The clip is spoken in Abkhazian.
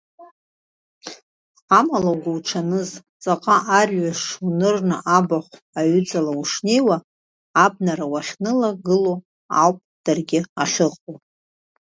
Амала угәуҽаныз, ҵаҟа арҩаш унырны абахә аҩыҵала ушнеиуа, абнара уахьнылагыло ауп даргьы ахьыҟоу.